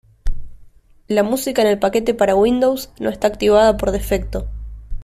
La música en el paquete para Windows no está activada por defecto.